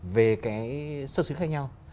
về cái xuất xứ khác nhau